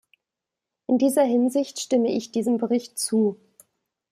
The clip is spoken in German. In dieser Hinsicht stimme ich diesem Bericht zu.